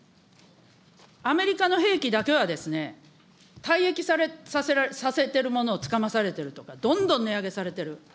アメリカの兵器だけは、退役させてるものをつかまされてるとか、どんどん値上げされてる。